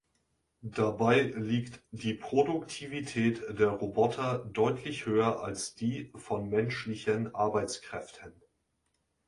Dabei liegt die Produktivität der Roboter deutlich höher als die von menschlichen Arbeitskräften.